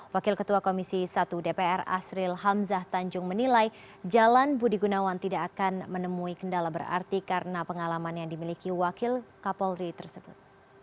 wakil ketua komisi satu dpr asril hamzah tanjung menilai jalan budi gunawan tidak akan menemui kendala berarti karena pengalaman yang dimiliki wakil kapolri tersebut